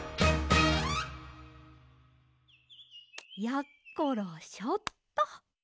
やっころしょっと。